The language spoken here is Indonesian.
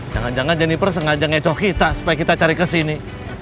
jangan jangan jennifer sengaja ngecoh kita supaya kita cari kesini